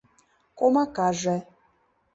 Комакаже